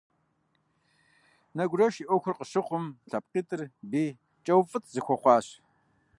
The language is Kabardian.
Нэгурэш и Ӏуэхур къыщыхъум, лъэпкъитӀыр бий кӀэуфӀыцӀ зэхуэхъуащ.